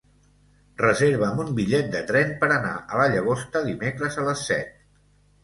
Reserva'm un bitllet de tren per anar a la Llagosta dimecres a les set.